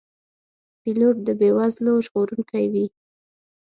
پیلوټ د بې وزلو ژغورونکی وي.